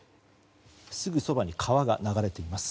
すぐそばに川が流れています。